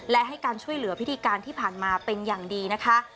และให้การช่วยเหลือพิธีการที่ผ่านมาเป็นอย่างดีนะคะ